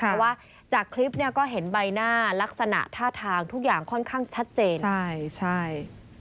เพราะว่าจากคลิปเนี่ยก็เห็นใบหน้าลักษณะท่าทางทุกอย่างค่อนข้างชัดเจนใช่ใช่